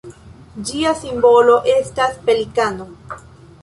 Ĝia simbolo estas pelikano.